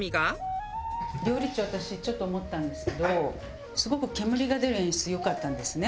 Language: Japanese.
料理長私ちょっと思ったんですけどすごく煙が出る演出良かったんですね